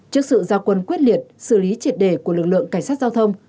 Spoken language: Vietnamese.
trước sự giao quân quyết liệt xử lý triệt đề của lực lượng cảnh sát giao thông